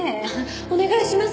お願いします。